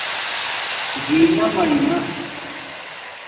جینہ مرنا